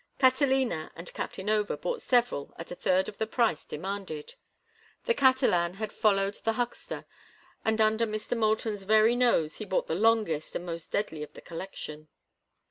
Catalina and Captain Over bought several at a third of the price demanded. The Catalan had followed the huckster, and under Mr. Moulton's very nose he bought the longest and most deadly of the collection.